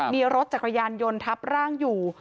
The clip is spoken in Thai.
มีรถจักรยานยนต์ทับร่างอยู่